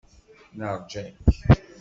Neṛja-k.